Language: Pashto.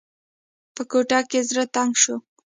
په کوټه کې زړه تنګ شو.